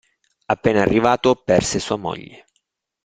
Appena arrivato perse sua moglie.